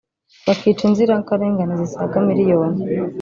bakica inzirakarengane zisaga miliyoni